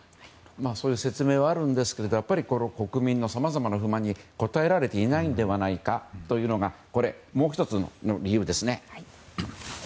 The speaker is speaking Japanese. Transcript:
そういう説明はあるんですがやっぱり国民のさまざまな不安に応えられていないのではないかというのがもう１つの理由ですね。